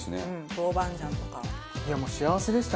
豆板醤とか。